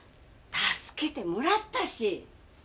助けてもらったし。